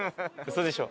嘘でしょ？